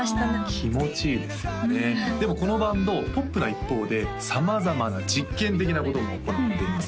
気持ちいいですよねでもこのバンドポップな一方で様々な実験的なことも行っています